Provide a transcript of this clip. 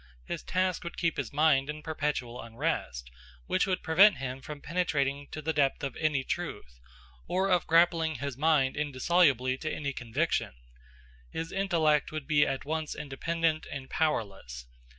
His task would keep his mind in perpetual unrest, which would prevent him from penetrating to the depth of any truth, or of grappling his mind indissolubly to any conviction. His intellect would be at once independent and powerless.